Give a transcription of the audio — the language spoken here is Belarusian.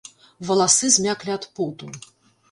Валасы змяклі ад поту.